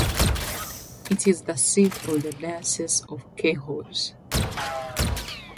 It is the seat of the Diocese of Cahors.